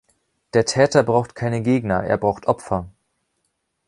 Der Täter braucht keine Gegner, er braucht Opfer.